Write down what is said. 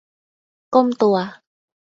ก้มตัว